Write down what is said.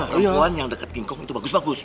perempuan yang deket kinggong itu bagus bagus